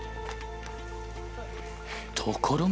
ところが。